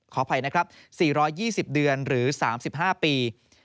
ขออภัยนะครับ๔๒๐เดือนหรือ๓๕ปี